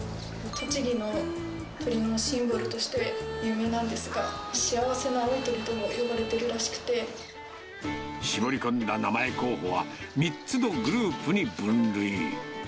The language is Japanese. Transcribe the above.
栃木の鳥のシンボルとして有名なんですが、幸せの青い鳥とも呼ば絞り込んだ名前候補は３つのグループに分類。